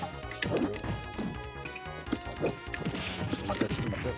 ちょっと待てよちょっと待てよ。